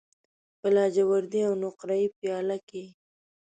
په لاجوردی او نقره یې پیاله کې